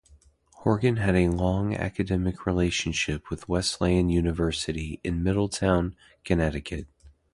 Horgan had a long academic relationship with Wesleyan University in Middletown, Connecticut.